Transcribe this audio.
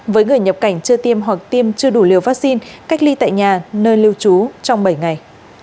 với người nhập cảnh chưa tiêm hoặc tiêm chưa đủ liều vaccine cách ly tại nhà nơi lưu trú trong bảy ngày